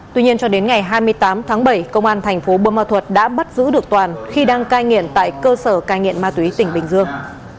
tuy nhiên cho đến ngày hai mươi tám tháng bảy công an thành phố bơ ma thuật đã bắt giữ được toàn khi đang cai nghiện tại cơ sở cai nghiện ma túy tỉnh bình dương